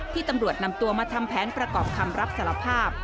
ตำรวจนำตัวมาทำแผนประกอบคำรับสารภาพ